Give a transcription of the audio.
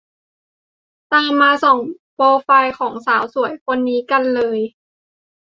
ตามมาส่องโปรไฟล์ของสาวสวยคนนี้กันเลย